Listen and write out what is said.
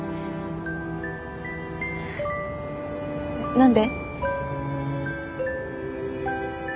何で？